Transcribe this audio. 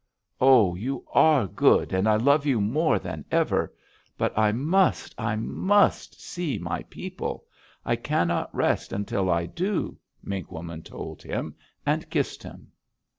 "'Oh, you are good, and I love you more than ever. But I must, I must see my people; I cannot rest until I do,' Mink Woman told him, and kissed him.